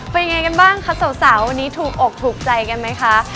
เป็นยังไงกันบ้างคะสาววันนี้ถูกอกถูกใจกันไหมคะ